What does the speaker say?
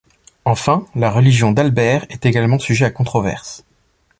Enfin, la religion d'Albert est également sujet à controverse.